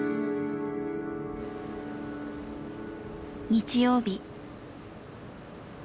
日曜日。